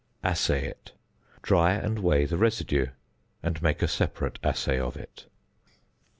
Assay it. Dry and weigh the residue, and make a separate assay of it.